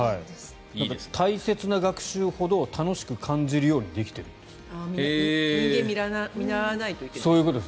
大切な学習ほど楽しく感じるようにできてるんです。